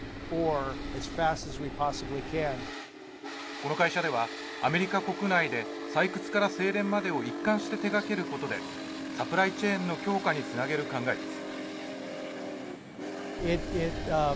この会社では、アメリカ国内で採掘から製錬までを一貫して手がけることでサプライチェーンの強化につなげる考えです。